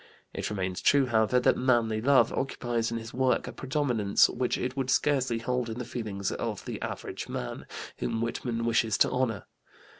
It remains true, however, that "manly love" occupies in his work a predominance which it would scarcely hold in the feelings of the "average man," whom Whitman wishes to honor.